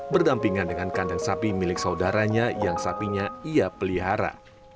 berdampingan dengan kandang sapi milik saudaranya yang sapinya ia pelihara